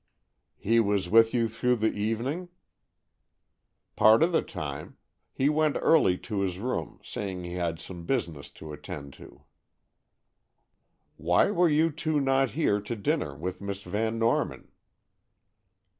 "He was with you through the evening?" "Part of the time. He went early to his room, saying he had some business to attend to." "Why were you two not here to dinner with Miss Van Norman?"